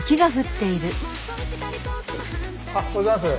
おはようございます。